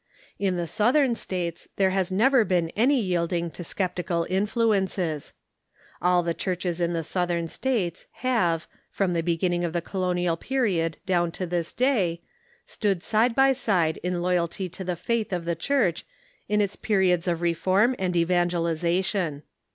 In the Southern States there has never been any yielding to sceptical influences. All the churches in the Southern States have, from the beginning of the Colonial Period down to this day, stood 'fn^So^rBeu"' ^'^^^ ^7 . ^^^e in loyalty to the faith of the Church in its periods of reform and evangel ization.